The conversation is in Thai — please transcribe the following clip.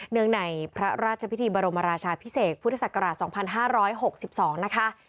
ในพระราชพิธีบรมราชาพิเศษพุทธศักราช๒๕๖๒นะคะ